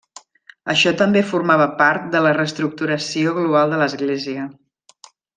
Això també formava part de la reestructuració global de l'Església.